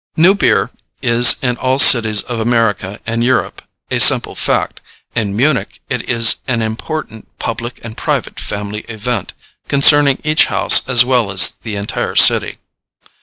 New beer is in all cities of America and Europe a simple fact. In Munich it is an important public and private family event, concerning each house as well as the entire city.